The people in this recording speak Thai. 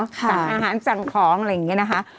สั่งอาหารสั่งของอะไรอย่างนี้นะคะ